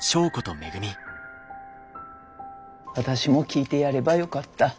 私も聞いてやればよかった。